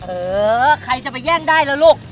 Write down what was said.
เออใครจะไปแย่งได้แล้วลูก